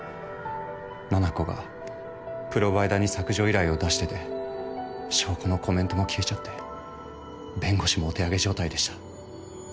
七菜子がプロバイダーに削除依頼を出してて証拠のコメントも消えちゃって弁護士もお手上げ状態でした。